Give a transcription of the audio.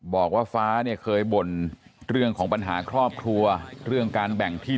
บอกว่าฟ้าเนี่ยเคยบ่นเรื่องของปัญหาครอบครัวเรื่องการแบ่งที่